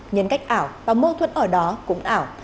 nhân cách ảo và mâu thuẫn ở đó cũng ảo